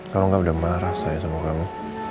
kalau enggak udah marah saya sama kamu